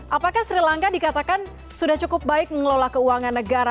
apakah sri lanka dikatakan sudah cukup baik mengelola keuangan negara